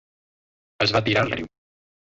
Es va tirar al riu.